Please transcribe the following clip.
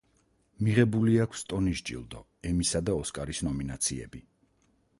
მიღებული აქვს ტონის ჯილდო, ემისა და ოსკარის ნომინაციები.